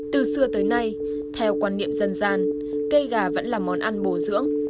từ xưa tới nay theo quan niệm dân gian cây gà vẫn là món ăn bổ dưỡng